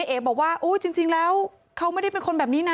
เนเอ๊ะบอกว่าอู้วจริงจริงแล้วเขาไม่ได้เป็นคนแบบนี้น่ะ